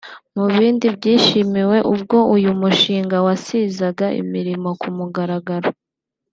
Mubindi byishimiwe ubwo uyu mushinga wasizaga imirimo ku mugaragaro